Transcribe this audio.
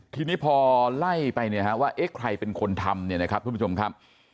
ทีนี้พอไล่ไปเนี่ยฮะว่าเอ๊ะใครเป็นคนทำเนี่ยนะครับทุกผู้ชมครับ